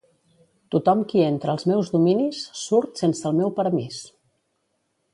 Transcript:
Tothom qui entra als meus dominis surt sense el meu permís.